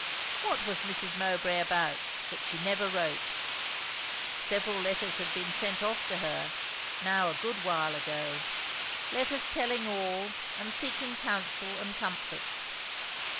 What was Mrs. Mowbray about, that she never wrote? several letters had been sent off to her, now a good while ago; letters telling all, and seeking counsel and comfort.